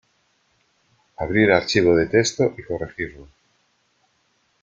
Abrir el archivo de texto y corregirlo.